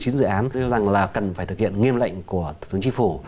tôi nghĩ rằng là cần phải thực hiện nghiêm lệnh của thủ tướng chính phủ